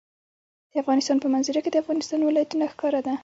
د افغانستان په منظره کې د افغانستان ولايتونه ښکاره ده.